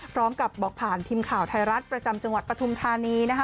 พร้อมกับบอกผ่านทีมข่าวไทยรัฐประจำจังหวัดปฐุมธานีนะคะ